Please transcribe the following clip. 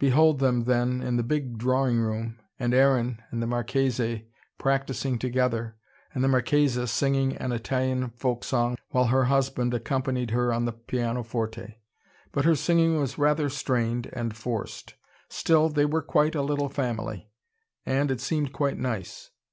Behold them then in the big drawing room, and Aaron and the Marchese practising together, and the Marchesa singing an Italian folk song while her husband accompanied her on the pianoforte. But her singing was rather strained and forced. Still, they were quite a little family, and it seemed quite nice.